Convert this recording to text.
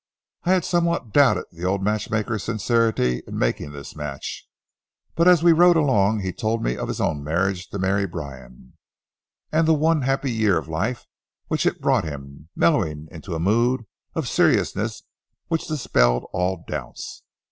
I had somewhat doubted the old matchmaker's sincerity in making this match, but as we rode along he told me of his own marriage to Mary Bryan, and the one happy year of life which it brought him, mellowing into a mood of seriousness which dispelled all doubts.